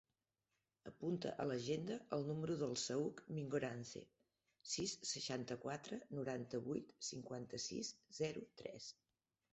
Apunta a l'agenda el número del Saüc Mingorance: sis, seixanta-quatre, noranta-vuit, cinquanta-sis, zero, tres.